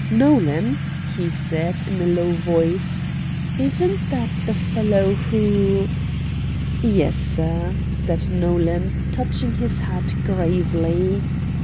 "Nolan," he said, in a low voice, "isn't that the fellow who " "Yes, sir," said Nolan, touching his hat gravely.